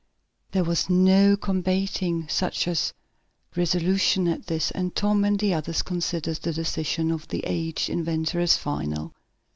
There was no combating such a resolution as this, and Tom and the others considered the decision of the aged inventor as final.